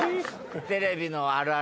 テレビのあるあるだね。